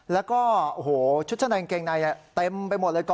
แล้วก็โอ้โหชุดชั้นในกางเกงในเต็มไปหมดเลย